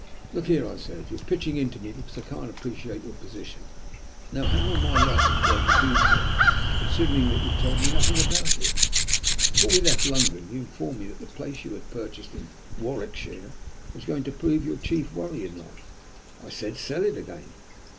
"Look here," I said, "you're pitching into me because I can't appreciate your position. Now how am I likely to be able to do so, considering that you've told me nothing about it? Before we left London you informed me that the place you had purchased in Warwickshire was going to prove your chief worry in life. I said, 'sell it again.'